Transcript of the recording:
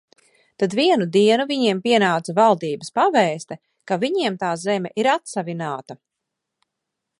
Tad vienu dienu viņiem pienāca valdības pavēste, ka viņiem tā zeme ir atsavināta.